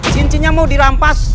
cincinnya mau dirampas